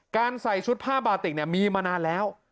การใส่ชุดผ้าบาติกเนี่ยมีมานานแล้ว